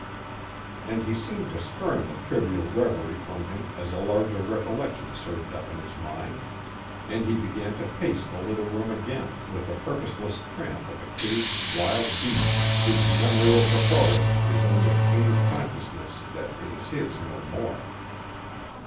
and he seemed to spurn the trivial reverie from him as a larger recollection surged up in his mind, and he began to pace the little room again with the purposeless tramp of a caged wild beast, whose memory of the forest is only a pained consciousness that it is his no more.